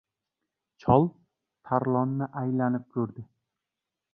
Chol Tarlonni aylanib ko‘rdi.